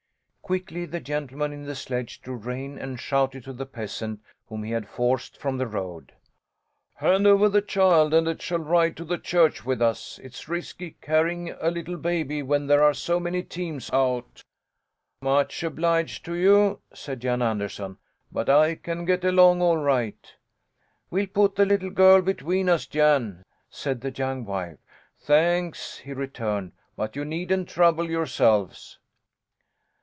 Quickly the gentleman in the sledge drew rein and shouted to the peasant, whom he had forced from the road: "Hand over the child and it shall ride to the church with us. It's risky carrying a little baby when there are so many teams out." "Much obliged to you," said Jan Anderson, "but I can get along all right." "We'll put the little girl between us, Jan," said the young wife. "Thanks," he returned, "but you needn't trouble yourselves!"